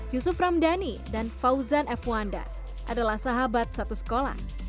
yusuf ramdhani dan fauzan f wandas adalah sahabat satu sekolah